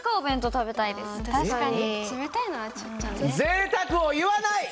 ぜいたくを言わない！